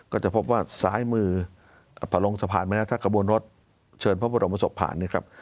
ก็จะพบว่าซ้ายมือพอลงสะพานไหมถ้ากระบวนรถเชิญพระบรมศพผ่านเนี่ยครับ